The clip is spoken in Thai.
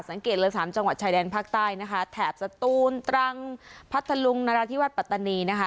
สังเกตเลย๓จังหวัดชายแดนภาคใต้นะคะแถบสตูนตรังพัทธลุงนราธิวัตปัตตานีนะคะ